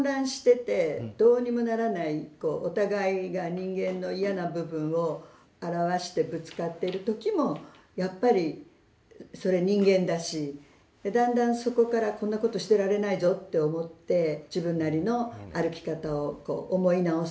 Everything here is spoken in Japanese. こうお互いが人間の嫌な部分を表してぶつかってる時もやっぱりそれ人間だしだんだんそこからこんなことしてられないぞって思って自分なりの歩き方をこう思い直す。